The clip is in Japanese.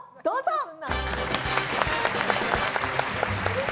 どうぞ。